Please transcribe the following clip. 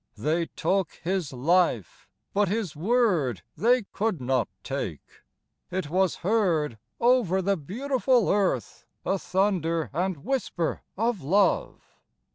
They took his life; but his word They could not take. It was heard Over the beautiful earth, A thunder and whisper of love.